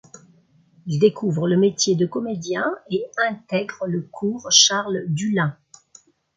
Il découvre le métier de comédien et intègre le cours Charles Dullin.